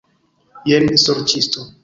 Jen, sorĉisto!